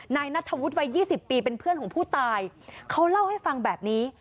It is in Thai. นายนัทธวุฒิวัย๒๐ปีเป็นเพื่อนของผู้ตายเขาเล่าให้ฟังแบบนี้